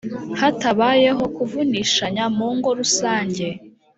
hatabayeho kuvunishanya, mu ngo rusange